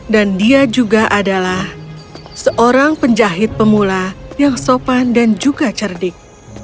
dan dia juga adalah seorang penjahit pemula yang sopan dan juga cerdik